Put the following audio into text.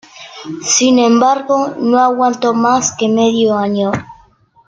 Sin embargo, no aguantó más que medio año.